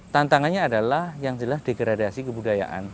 tantangannya adalah yang jelas degradasi kebudayaan